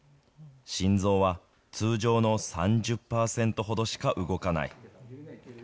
心臓は、通常の３０％ほどしか動かない。